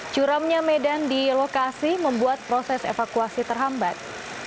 curamnya medan di lokasi membuat proses evakuasi terhambat